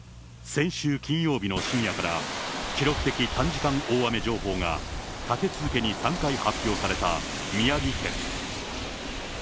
先週金曜日の深夜から、記録的短時間大雨情報が立て続けに３回発表された宮城県。